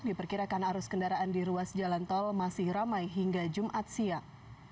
diperkirakan arus kendaraan di ruas jalan tol masih ramai hingga jumat siang